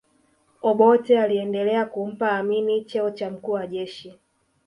obote aliendelea kumpa amin cheo cha mkuu wa jeshi